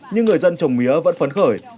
nhưng người dân trồng mía vẫn phấn khởi